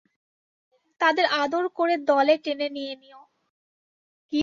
তাদের আদর করে দলে টেনে নিয়ে নিয়ো।